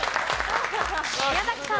宮崎さん。